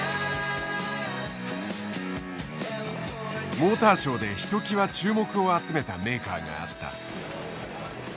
モーターショーでひときわ注目を集めたメーカーがあった。